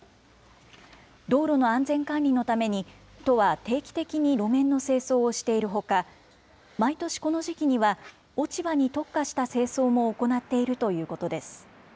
道路の安全管理のために、都は定期的に路面の清掃をしているほか、毎年この時期には、落ち葉に特化した清掃も行っているということです。